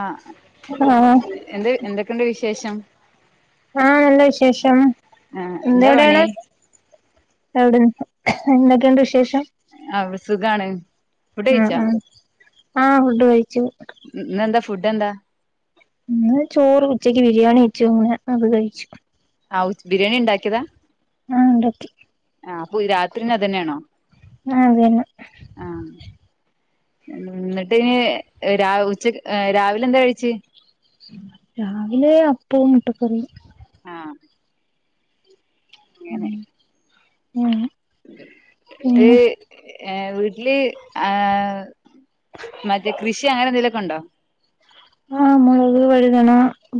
ആഹ എന്ത് എന്തൊക്കെയെണ്ട് വിശേഷം ആഹ നല്ല വിശേഷം എന്തെവിടെയാണ് എവിന്ന് എന്തൊക്കെയുണ്ട് വിശേഷം ആഹ് ഇവിടെ സുഖാണ് ഫുഡ് കഴിച്ചാ ആഹ് ഫുഡ് കഴിച്ചു ഇന്നെന്താ ഫുഡെന്താ ഇന്ന് ചോറ് ഉച്ചക്ക് ബിരിയാണി വെച്ചു അങ്ങനെ അത് കഴിച്ചു ആഹ് ഉച് ബിരിയാണിണ്ടാക്കിയതാ ആഹ് ഉണ്ടാക്കി ആഹ് അപ്പൊ ഈ രാത്രിയും ഇന്തെന്നെയാണോ ആഹ് അതെന്നെ എന്നിട്ട് രാവ് ഉച്ചക് രാവിലെ എന്താ കഴിച്ചെ അപ്പവും മുട്ടക്കറിയും ആഹ് ഉം എന്നിട്ട് ഏ വീട്ടില് ആഹ് മറ്റേ കൃഷി അങ്ങനെ എന്തേലുമൊക്കെ ഉണ്ടോ ആഹ് മുളക് വഴുതന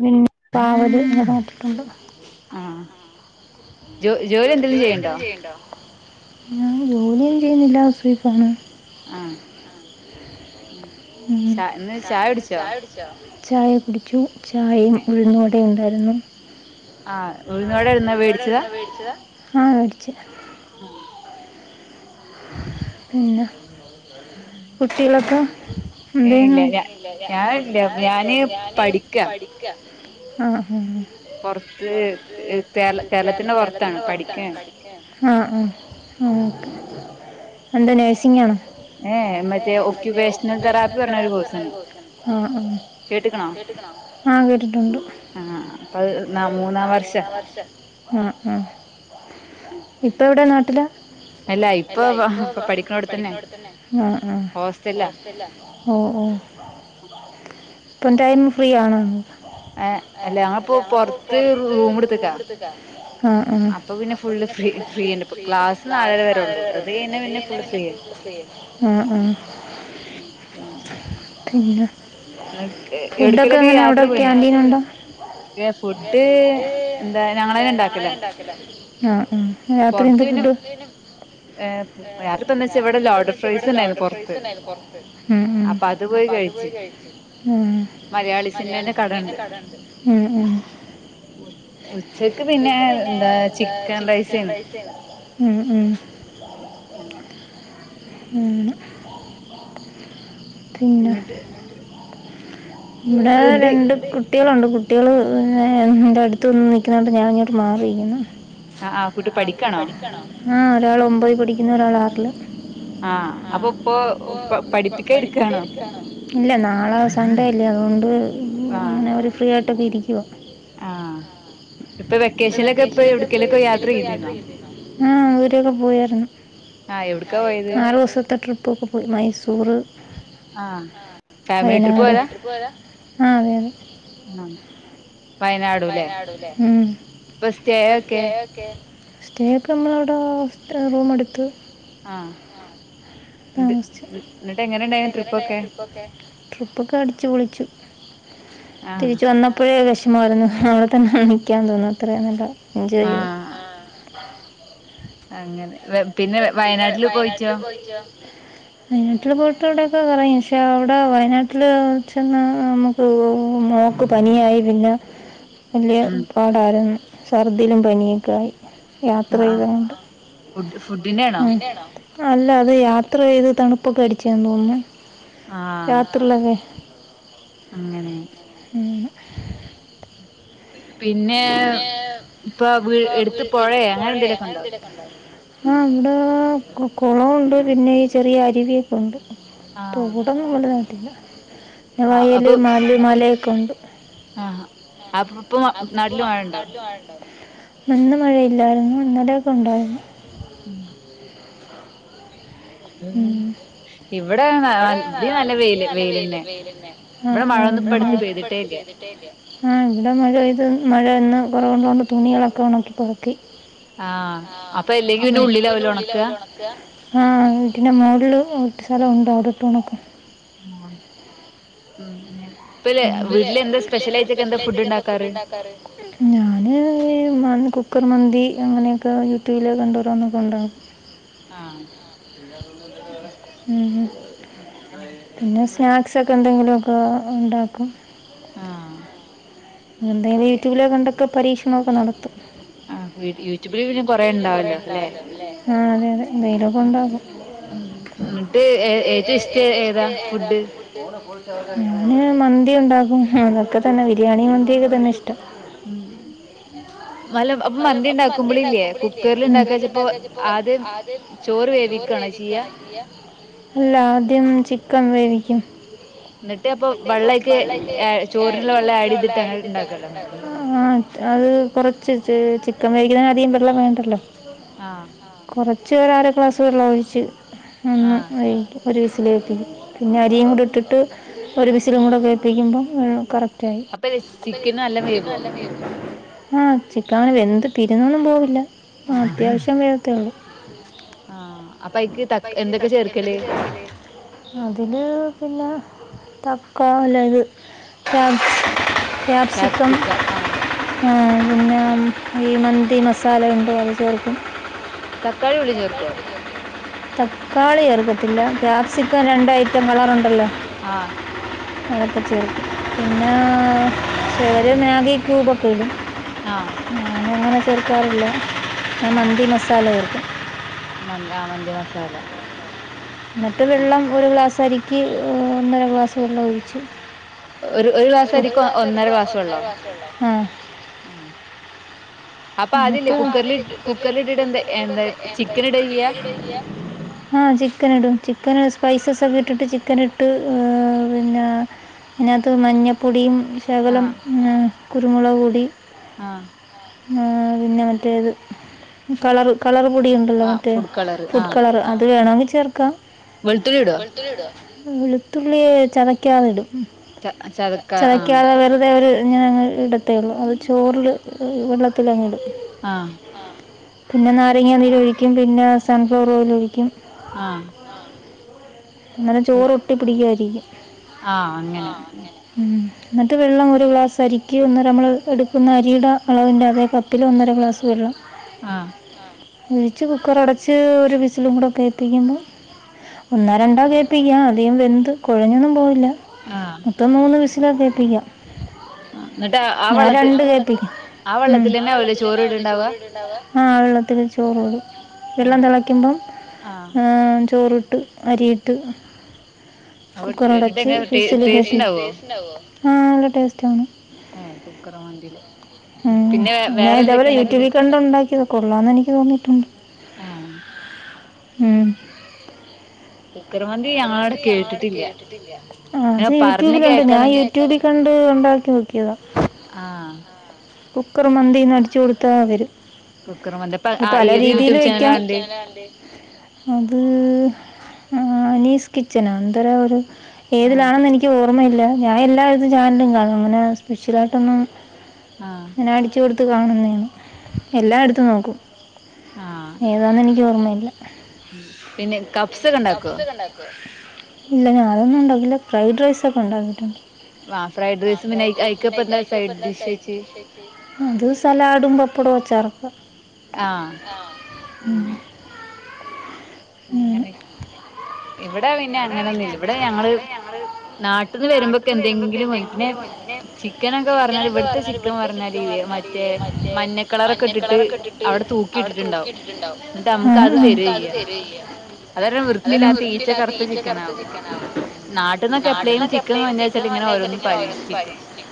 പിന്നെ പാവല് അതൊക്കെ നട്ടിട്ടുണ്ട് ജോ ജോലി എന്തെങ്കിലും ചെയ്യണ്ടോ ഞാൻ ജോലിയൊന്നും ചെയ്യുന്നില്ല ഹൗസ് വൈഫാണ് ഉം ചായ കുടിച്ചോ ചായ കുടിച്ചു ചായയും ഉഴുന്നുവടയും ഉണ്ടായിരുന്നു ആഹ് ഉഴുന്നുവട എവിടുന്ന മേടിച്ചതാ ആഹ് മേടിച്ച ആഹ് പിന്നെ, കുട്ടികളൊക്കെ എന്തേനും. ഞാ ഞാനില്ല ഞാന് പഠിക്ക ആഹ് ആഹ് പുറത്ത് കേരള കേരളത്തിന്റെ പുറത്താണ് പഠിക്കുകയാണ് ആഹ് ആഹ് ആ ഓക്കെ എന്താ നഴ്സിംഗ് ആണോ ഏ, മറ്റേ ഓക്യുപേഷണൽ തെറാപ്പി പറഞ്ഞൊരു കോഴ്സുണ്ട് കേട്ട്ക്കിണോ. ആഹ് കേട്ടിട്ടുണ്ട് അത് നാ മൂന്നാം വർഷം ആഹ് ആഹ് ഇപ്പെവിടെ നാട്ടിലാ അല്ല ഇപ്പൊ പഠിക്കുന്നോടത്തന്നെ ആഹ് ആഹ്. ഹോസ്റ്റലിലാ. ഓ ഓ ഇപ്പൊ ടൈം ഫ്രീ ആണോ ഏഹ് അല്ല ഞങ്ങളിപ്പോ പുറത്ത് റൂം എടുത്ത്ക്കാ ആഹ് ആഹ്. അപ്പോ പിന്നെ ഫുൾ ഫ്രീ ഫ്രീയിണ്ട് ക്ലാസ് നാലര വരെ ഉള്ളൂ അത് കഴിഞ്ഞാ പിന്നെ ഫുള്ള് ഫ്രീയാണ് ആഹ് ആഹ് പിന്നെ ഫുഡൊക്കെ എങ്ങനെ അവിടെ കാന്റീനുണ്ടോ ഇല്ലാ ഫുഡ് എന്താ ഞങ്ങളെന്നെ ഉണ്ടാക്കലാ. ആഹ് ആഹ്, രാത്രിയെന്താ ഫുഡ് ഏഹ് രാത്രി ഇപ്പൊ എന്താ വെച്ചാ ഇവിടെ ലോഡഡ് ഫ്രൈസ് ലോഡെഡ് ഫ്രൈസ് ഉണ്ടായിരുന്നു പുറത്ത്. ഉം ഉം. അപ്പോ അത് പോയി കഴിച്ചു ഉം. മലയാളീസിൻ്റെയെന്നെ കടയുണ്ട്. ഉം ഉം ഉച്ചക്ക് പിന്നെ എന്താ ചിക്കൻ റൈസ് ആയിരുന്നു ഉം ഉം ഉം പിന്നെ ഇവിടെ രണ്ട് കുട്ടികളുണ്ട് ട്ടികള് എൻ്റടുത്ത് വന്ന് നിക്കുന്നത് കൊണ്ട് ഞാനിങ്ങോട്ട് മാറിയിരിക്കുന്നാ [unintelligible] ഹ് ഒരാൾ ഒമ്പത് പഠിക്കുന്ന ഒരാൾ ആറിൽ ആഹ [unintelligible] ല്ല നാളെ സൺണ്ടേ അല്ലേ അതുകൊണ്ട് അങ്ങനെ അവർ ഫ്രീ ആയിട്ടൊക്കെ ഇരിക്കുവോ ആഹ [unintelligible] ആ അൂരൊക്കെ പോയരുന്നു ആഹ് എവിടക്കാ പോയത് ആറ് ദിവസത്തെ ട്രിപ്പൊക്കെ പോയി മൈസൂർ വയനാട് ആ അതെ അതെ ആ വയനാടുലെ ബസ ഒക്കെ സ്റ്റേ ഒക്കെ നമ്മളവിടെ റൂം എടുത്ത് താമസിച്ചു ട്രിപ്പൊക്കെ അടിച്ചു പൊളിച്ചു തിരിച്ച വന്നപ്പോഴേ വിഷമായിരുന്നു അവിടെ തന്നെ നിക്കാൻ തോന്നുന്നു അത്രേ നല്ല എൻജോയ് അങ്ങനെ പിന്നെ വയനാട്ടില് പോയിറ്റോ വയനാട്ടിൽ പോയിട്ട് ഇവിടെക്കെ കറങ്ങി പക്ഷെ അവിടെ വയനാട്ടില് വ ചെന്നാ നമുക്ക് മോൾക്ക് പനിയായി പിന്നെ വലിയ പാടായിരുന്നു ഛർദിയിലും പനിയൊക്കെ ആയി യാത്ര ചെയ്തുകൊണ്ട് ഉ അല്ല അത് യാത്ര ചെയ്ത് തണുപ്പൊക്കെ അടിച്ചന്ന് തോന്ന രാത്രിയിലൊക്കെ അങ്ങനെ ഉ പിന്നെ ഇപ്പൊ എടുത്ത് പുഴയ അങ്ങനെ എന്തേലൊക്കെ ഉണ്ടോ ആ അവിടെ കുളമുണ്ട് പിന്നെ ഈ ചെറിയ അരുവിയൊക്കെ ഉണ്ട് തോട് ഒന്നും വലുതായിട്ട് ഇല്ല വയൽ മലയൊക്കെ ഇണ്ട് [unintelligible] ന്ന് മഴയില്ലായിരുന്നു ഇന്നലെയൊക്കെ ഉണ്ടായിരുന്നു ഉം ഉം ഇവിടെ അധി നല്ല വെയിൽ വെയിലന്നെ മഴയിപ്പ അടുത്ത് പെയ്ത് ആഹ ഇവിടെ മഴ ഇത് മഴ ഇന്ന് കുറവൊണ്ടൊണ്ട് തുണികളൊക്കെ ഉണക്കി പുറക്കി ആഹ അപ്പൊ ഇല്ലെങ്കി പിന്നെ ഉള്ളിലാവലോ ഉണക്ക ആ വീടിന്റെ മുകളിൽട്ട് സ്ഥലം ഉണ്ട് അവടെ ഇട്ട് ഒണകും ആ ആ ഉം പിന്നെ [unintelligible] ഞാന് ഈ കുക്കർ മന്തി അങ്ങനെയൊക്കെ യൂട്യൂബിൽ കണ്ടുവര എന്നൊക്കെ ഉണ്ടകാണ് ആഹ ച്ചൊക്കെ എന്തെങ്കിലുമൊക്കെ ഉണ്ടാക്കും ആഹ എന്തായാലും യൂട്യൂബിലെ കണ്ടൊക്കെ പരീക്ഷണമൊക്കെ നടത്തും ആഹ [unintelligible] ആഹ അതെ അതെ എന്തെയിലൊക്കെ ഉണ്ടകും ഫു് എന്റെ ഇഷ്ട ഏതാണ്ട് ഫു് ഞാൻ മന്തി ഉണ്ടാകും അതൊക്കെ തന്നെ ബിരിയാണി മന്തിയൊക്കെ തന്നെ ഇഷ്ടം ഉം മല അപ്പൊ മന്തി ഉണ്ടാക്കുമ്പോള ഇല്ലേ കുക്കറൽ ഉണ്ടാക്കാ വെച്ചപ്പോ ആദ്യം ചോറ് വേവിക്കാണ് അല്ല ആദ്യം ചിക്കൻ വേവിക്കും എന്റെ അപ്പൊ വെള്ളൊക്കെ ചോറിള്ള വെള്ളം ആടി ആഹ അത് കൊറച്ച് ചിക്കൻ വിക്കുന്ന അധികം വെള്ളം വേണ്ടല്ലോ ആ കൊറച്ച് ഒരാറ് ക്ലാസ് വെള്ളം ഒഴിച്ച് അന്ന് [unintelligible] ഒരു വിസിലേ ൽപ്പിക്കും. പിന്നെ അരിയുടി ഇട്ടിട്ട് ഒരു ബിസിലും കൂടെ കേപ്പിക്കുമ്പം കറക്റ്റായി. ന്ന് നല്ല വേവോ? ആ ചിക്കനെ വെന്ത് പിരുന്നൊന്നും പോവില്ല അത്യാവശ്യം വേവ് അപ്പ ജ് ത എന്തൊക്കെ ചേർക്ക്ണ്? അതില് പിന്നെ തക്കോലല് [unintelligible] ക്യാപ്‌സിക്ക ആ പിന്നെ ഈ മന്തി മസാലയുണ്ടോ അത് ചേർക്കും. തക്കാളി ഉള്ളി ചേർക്കോ? തക്കാളി ഏർക്കത്തില്ല ക്യാപ്സിക്ക രണ്ട് ഐറ്റം കളറുണ്ടല്ലോ. ആ അതൊക്കെ ചേർക്ക. പിന്നെ ചലര് മാഗി ക്യൂബൊക്കെ ഇടും. ഞാനങ്ങനെ ചേർക്കാറില്ല ഞാൻ മന്തി മസാല ചേർക്കും. മന് ആ മന്തി മസാല. ന്നിട്ട് വെള്ളം ഒരു ഗ്ലാസരിക്ക് ഒന്നര ഗ്ലാസ് വെള്ളം ഒഴിച്ചു. ഒരു ഒരു ക്ളാസരിക്ക് ഒന്നര ക്ളാസ് വെള്ളോ ആ ഇപ്പ ആതില്ലേ കുക്കറി കുക്കറിടല്ല എന്താ ചിക്കടല്ല [unintelligible] ആ ചിക്കൻ ഇടും ചിക്കൻ സ് സ്പൈസസൊക്കെ ഇട്ടിട്ട് ചിക്കൻ ഇട്ട് പിന്നെ അതിനത്ത് മഞ്ഞപ്പൊടി ശകലം ങ്ങ് കുരുമുളക് പൊടി ആ പിന്നെ മറ്റേത് കളറ് കളർ പൊടി ഉണ്ടല്ലോ മറ്റേ ഫുഡ് കളറ് അത് വേണെങ്കി ചേർക്കാം വെളുത്തുള്ളി ടോ? വെളുത്തുള്ളി ചതക്കാതെടും. ഉം ചതക്കാതെ വെറുതെ ഒരു ഇങ്ങെനങ്ങ് ഇടത്തേ ഉള്ളു അത് ചോറിൽ വെള്ളത്തിലങ്ങ്ടൂല. ആ പിന്നെ നാരങ്ങാ നീരൊഴിക്കും പിന്നെ സൺഫ്ലവർ ഓയിൽ ഒഴിക്കും. ആ അന്നരം ചോറൊട്ടി പിടിക്കായിരിക്കും. ആ അങ്ങനെ. ന്നിട്ട് വെള്ളം ഒരു ഗ്ലാസ് അരിക്ക് ഒന്നര നമ്മൾ എടുക്കുന്ന അരിയുടെ അളവിൻ്റെതേ കപ്പിൽ ഒന്നര ഗ്ലാസ് വെള്ളം. ആ ഴിച്ച് കുക്കറടച്ച് ഒരു വിസിലും കൂടെ തിക്കുമ്പോ ഒന്നാ രണ്ടാ കേൾപ്പിക്കാം അധികം വെന്ത് കുഴഞ്ഞൊന്നും പോവില്ല മൊത്തം മൂന്ന് വിസിലൊക്കെ കേപ്പിക്ക. ആ [inaudible] ഞാൻ രണ്ട് കേപ്പിക്കും. ആ വെള്ളത്തിലെന്നാവുലേ ചോറ്ട്ണ്ടാവാ? ആ വെള്ളത്തിൽ ചോറ്ടും വെള്ളം തെളക്കുമ്പം ചോറ്ട്ടു. അരിയിട്ട് കുക്കറടച്ച് ഫിസിലിങ്ങ എത്തി ആ നല്ലടേസ്റ്റ്. ആ കുക്കറും മന്തി ലെ ഉം ഞാൻ ഇതേപോലെ യൂട്യൂബിൽ കണ്ട് ണ്ടാക്കിയതി കൊള്ളാംന്നെനിക്ക് തോന്നിയിട്ടുണ്ട്. ആ ഉം [unintelligible] ആട് കേട്ടിട്ടില്ല. ആ ഉണ്ടാക്കി നോക്കിയത. ആ കുക്കർ മന്തീന്ന് അടിച്ചു കൊടുത്താ വരും. പല രീതിയില് വെക്കാം. അത് ആനീസ് കിച്ച് ർമല്ല ഞാ എല്ലാ ചാനലും കാണും അങ്ങനെ സ്പെഷ്യൽ ആയിട്ടോന്നു അടിച്ചോ - ത്ത് കാണുന്നതാണ് എല്ലായിടുത്തു നോക്കും ഏതാന്ന എനിക്ക് ഓർമ്മയില്ല. പിന്നെ കപ്സ ഒക്കെ ഉണ്ടാക്കും. ഇല്ല ഞതൊന്നും ഉണ്ടാക്കില്ല ഫ്രൈഡ് റൈസൊക്കെ ഉണ്ടാക്കിയിട്ടുണ്ട്. വാ ഫ്ര ആ ഫ്രൈഡ്രസിൻ്റെ ഐ ഐറ്റം പ്പ എന്താ സൈഡ് ഡിഷ് ആയിട്ട് അത് സലാഡും, പപ്പടവും, അച്ചാറും. ആ ഉം. ങ്ങനെ ഇവിടെ പിന്നെ അങ്ങനെ ന്നുംല്ല ഇവിടെ ഞങ്ങള്- നാട്ടിന്ന് വരുമ്പോക്കെ എന്തെങ്കിലും പിന്നെ ചിക്കനോക്കെ പറഞ്ഞാല് ഇവിടത്തെ ചിക്കൻ പറഞ്ഞാല്- മറ്റേ മഞ്ഞക്കളറൊക്കെ ഇട്ടിട്ട് അവിടെ തൂക്കി ഇട്ടിട്ടുണ്ടാവും എന്നിട്ട് നമുക്ക്ത് തര- അത് തര്യ്യാ അതാര- അ വൃത്തില്ലാത്ത ഈച്ചൊക്കെറത്ത ചിക്കനാ. നാട്ടിന്നൊക്കെ എപ്പളേലും ചിക്കൻ കൊണ്ടരച്ച ഇങ്ങനെ ഓരോന്നൊക്കെ പരീക്ഷിച്ചോക്ക്..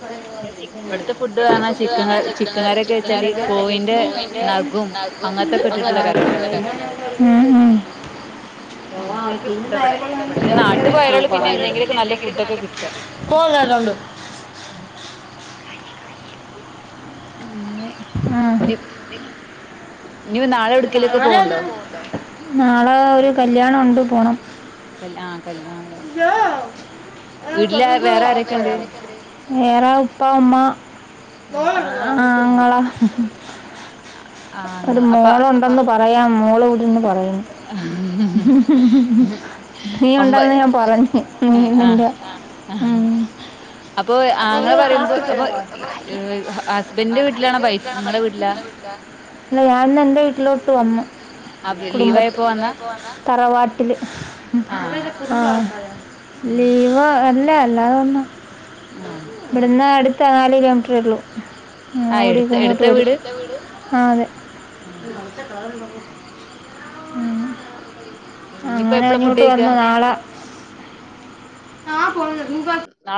[unintelligible] ഇവിട്ത്തെ ഫുഡ് കാണാ ചിക്കൻ കറിയൊക്കെ കൊഴിന്റെ- നഖോ [unintelligible] ഉം മം ഓ [unintelligible] നാട്ടിന്നു പിന്നെന്തെങ്കിലും ഒക്കെ നല്ല ഫുഡ് കിട്ടും. പോകലോഡ് ഉം അങ്ങനെ. ഇപ് എ ഇജ്ജ് നാളെ എവിടേക്കേലും പൊണ്ടോ? നാളെ ഒരു കല്യാണം ഉണ്ട് പോണം. കല്ല് ആ കല്യാ കല്യാണലെ വീട്ടില് വേറെ ആരൊക്കെണ്ട്? വേറെ ഉപ്പ അമ്മ ആങ്ങളാ. ഒരു മോളുണ്ടന്ന് പറയാം മോള് ഇവിടിന്ന് പറയാ- നീ ഉണ്ടന്ന് ഞാൻ പറഞ്ഞു നീ നി നിന്റെ. ഉം അപ്പൊ ആങ്ങളെ പറയുമ്പോ അപ്പൊ ഹസ്ബൻഡന്റെ വീട്ടിലാണോ വൈഫ് ങ്ങളെ വീട്ടിലാ? അല്ല ഞാൻ ന്ന് എന്റെ വീട്ടിലോട്ട് വന്നു. കുടുംബ തറവാട്ടില് ആ. ലീവ് അൽ അല്ല അല്ലാതെ വന്ന ഇവിടന്ന് അടുത്ത് നാല് കിലോമീറ്ററേള്ളു. ആ ഓടിയോക്കെ ഇങ്ങോട്ട് വരും ആ അതെ. ഉ അങ്ങനെ ഇങ്ങോട്ട് വന്നു നാളെ- നാളെ പോണുന്ന് [unintelligible]